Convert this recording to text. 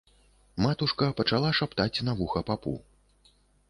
Матушка пачала шаптаць на вуха папу.